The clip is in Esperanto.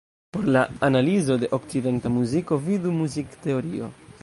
Por la analizo de okcidenta muziko, vidu muzikteorio.